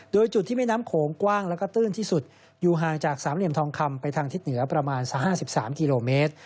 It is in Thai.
โดยจุดที่แม่น้ำโขงกว้างแล้วก็ตื้นที่สุดอยู่ห่างจากสามเหลี่ยมทองคำไปทางทิศเหนือประมาณสัก๕๓กิโลเมตร